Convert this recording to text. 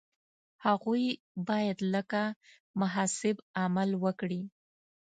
هغوی باید لکه محاسب عمل وکړي.